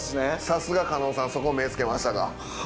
さすが狩野さんそこ目付けましたか。